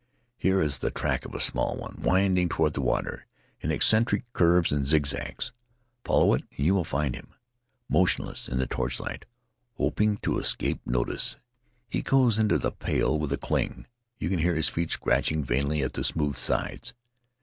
Here is the track of a small one, winding toward the water in eccentric curves and zigzags; follow it and you find him, motionless in the torchlight, hoping to escape notice. He goes into the pail with a clang — you can hear his feet scratching vainly at the smooth sides.